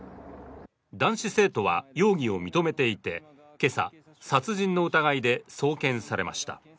男子生徒は容疑を認めていて今朝、殺人の疑いで送検されました。